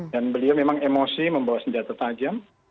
dan beliau memang emosi membawa senjata tajam